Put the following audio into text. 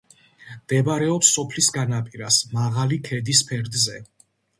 მდებარეობს სოფლის განაპირას, მაღალი ქედის ფერდზე.